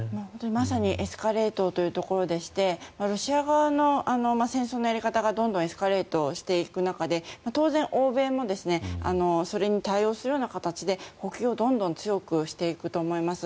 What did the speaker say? まさにエスカレートというところでしてロシア側の戦争のやり方がどんどんエスカレートしていく中で当然、欧米もそれに対応するような形で補給をどんどん強くしていくと思います。